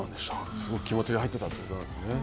すごい気持ちが入っていたということなんですね。